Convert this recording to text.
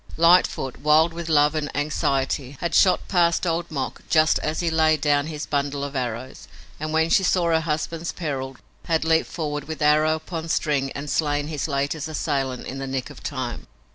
Lightfoot, wild with love and anxiety, had shot past Old Mok just as he laid down his bundle of arrows, and, when she saw her husband's peril, had leaped forward with arrow upon string and slain his latest assailant in the nick of time.